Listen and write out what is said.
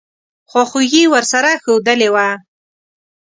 خواخوږي ورسره ښودلې وه.